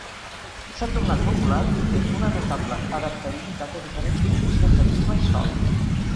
S'ha tornat popular i té una notable adaptabilitat a diferents condicions de clima i sòl.